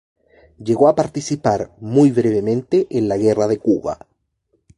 Llegó a participar, muy brevemente, en la guerra de Cuba.